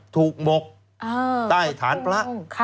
หมกใต้ฐานพระ